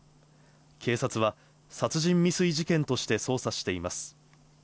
警察は殺人未遂事件として捜査しています。